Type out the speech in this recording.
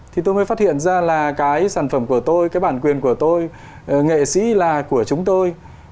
thì tôi mới phát hiện ra là cái sản phẩm của tôi cái bản quyền của tôi nghệ sĩ là của chúng tôi